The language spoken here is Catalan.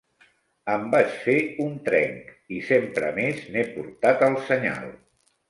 Em vaig fer un trenc, i sempre més n'he portat el senyal.